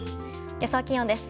予想気温です。